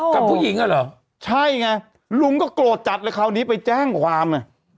กับผู้หญิงอ่ะเหรอใช่ไงลุงก็โกรธจัดเลยคราวนี้ไปแจ้งความ